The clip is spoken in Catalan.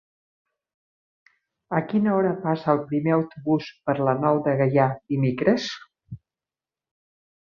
A quina hora passa el primer autobús per la Nou de Gaià dimecres?